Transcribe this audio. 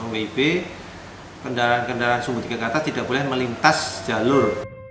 sembilan wib kendaraan kendaraan sumbu tiga ke atas tidak boleh melintas jalur